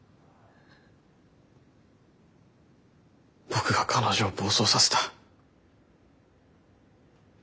僕が彼女を暴走させた。